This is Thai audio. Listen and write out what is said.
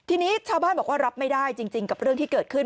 ทีนี้ชาวบ้านบอกว่ารับไม่ได้จริงกับเรื่องที่เกิดขึ้น